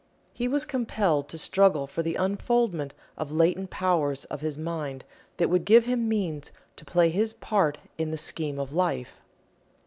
He was compelled to struggle for the unfoldment of latent powers of his mind that would give him means to play his part in the scheme of life.